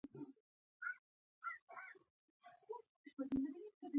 د ریحان غوړي د څه لپاره وکاروم؟